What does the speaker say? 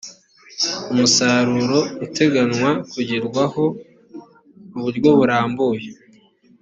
umusaruro uteganywa kugerwaho mu buryo burambuye